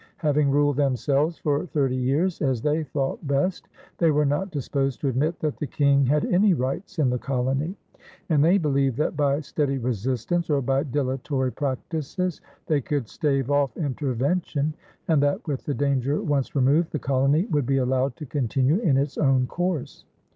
Having ruled themselves for thirty years as they thought best, they were not disposed to admit that the King had any rights in the colony; and they believed that by steady resistance or by dilatory practices they could stave off intervention and that, with the danger once removed, the colony would be allowed to continue in its own course.